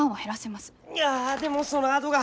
いやでもそのあどが。